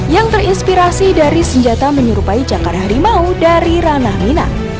yang terinspirasi dari senjata menyerupai jangkar harimau dari ranah minang